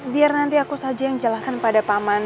biar nanti aku saja yang menjelaskan pada pak man